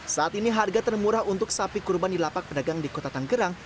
saat ini harga termurah untuk sapi kurban di lapak pedagang di kota tanggerang